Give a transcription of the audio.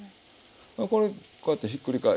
これこうやってひっくり返して。